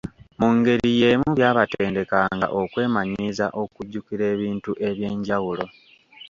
Mu ngeri y'emu byabatendekanga okwemanyiiza okujjukira ebintu eby'enjawulo.